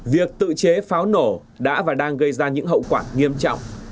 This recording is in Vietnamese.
việc tự chế pháo nổ đã và đang gây ra những hậu quả nghiêm trọng